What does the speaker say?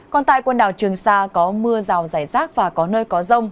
còn tại quần đảo trường sa có mưa rào rải rác và có nơi có rông